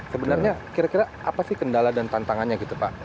sebenarnya kira kira apa sih kendala dan tantangannya gitu pak